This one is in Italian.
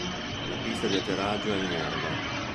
La pista di atterraggio è in erba.